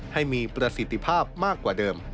ให้มีประสิทธิภาพมากกว่าเดิม